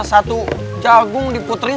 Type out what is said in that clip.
satu jagung diputerin